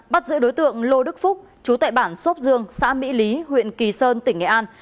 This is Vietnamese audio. bắt giữ đối tượng lô đức phúc chú tại bản xốp dương xã mỹ lý huyện kỳ sơn tỉnh nghệ an